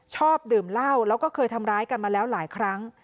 ชอบดื่มเหล้าแล้วก็เคยทำร้ายกันมาแล้วหลายครั้ง